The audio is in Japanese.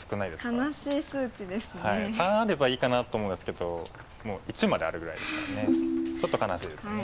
３あればいいかなと思うんですけどもう１まであるぐらいですからねちょっと悲しいですね。